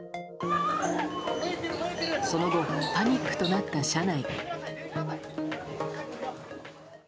その後、パニックとなった車内。